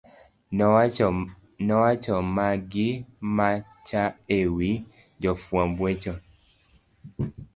nowacho ma gi macha e wi jofwamb weche